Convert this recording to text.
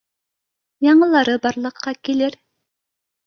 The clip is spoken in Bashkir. — Яңылары барлыҡҡа килер